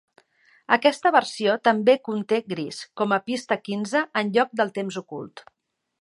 Aquesta versió també conté "Grease" com a pista quinze, en lloc del temps ocult.